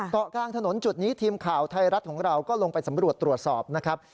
เกาะกลางถนนจุดนี้ทีมข่าวไทยรัฐของเราก็ลงไปสำรวจตรวจสอบนะครับ